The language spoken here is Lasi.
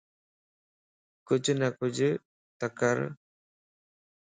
ڪچھه نه ڪچهه ته ڪر